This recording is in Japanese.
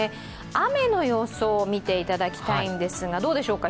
雨の予想を見ていただきたいんですが、どうでしょう。